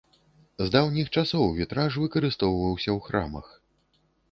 З даўніх часоў вітраж выкарыстоўваўся ў храмах.